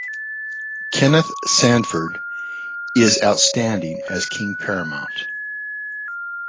Kenneth Sandford is outstanding as King Paramount.